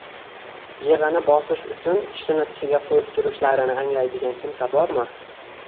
yig'ini bosish uchun tishini tishiga ko'yib turishlarini anglaydigan kimsa bormi?